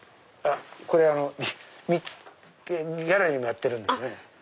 これギャラリーもやってるんですよね。